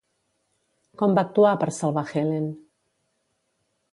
Com va actuar per salvar Helen?